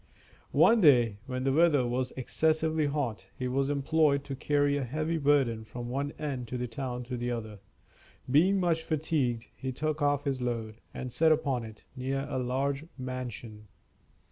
One day, when the weather was excessively hot, he was employed to carry a heavy burden from one end of the town to the other. Being much fatigued, he took off his load, and sat upon it, near a large mansion.